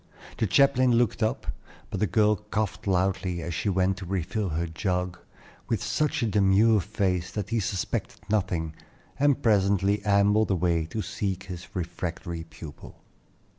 The chaplain looked up, but the girl coughed loudly, as she went to refill her jug, with such a demure face that he suspected nothing, and presently ambled away to seek his refractory pupil.